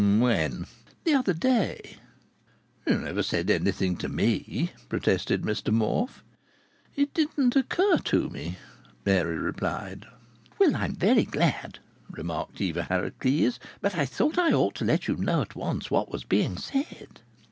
"When?" "The other day." "You never said anything to me," protested Mr Morfe. "It didn't occur to me," Mary replied. "Well, I'm very glad!" remarked Eva Harracles. "But I thought I ought to let you know at once what was being said."